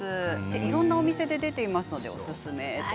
いろいろなお店で出ているのでおすすめ。